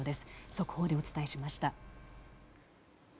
速報でお伝えしました。